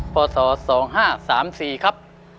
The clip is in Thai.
พศ๒๕๓๔ครับ